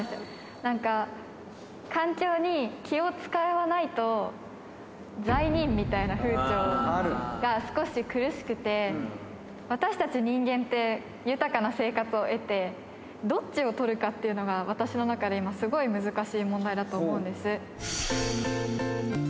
なんか、環境に気を遣わないと罪人みたいな風潮が少し苦しくて、私たち人間って、豊かな生活を得て、どっちを取るかっていうのが、私の中で今、すごい難しい問題だと思うんです。